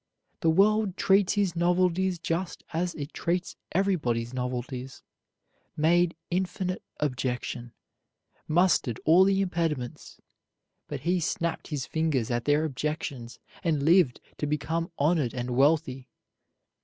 The world treated his novelties just as it treats everybody's novelties made infinite objection, mustered all the impediments, but he snapped his fingers at their objections, and lived to become honored and wealthy.